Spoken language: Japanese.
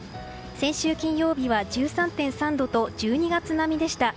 先週金曜日は１３．３度と１２月並みでした。